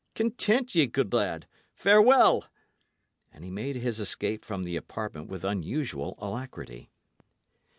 Content ye, good lad. Farewell!" And he made his escape from the apartment with unusual alacrity.